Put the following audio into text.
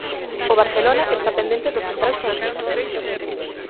O Barcelona está pendente do central francés.